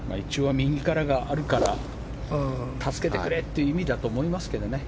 右からがあるから助けてくれという意味だと思いますけどね。